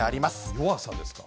弱さですか。